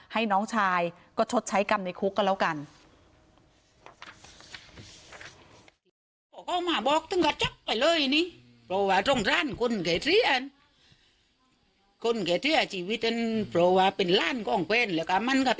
ให้น้องชายก็ชดใช้กรรมในคุกก็แล้วกัน